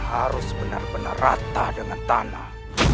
harus benar benar rata dengan tanah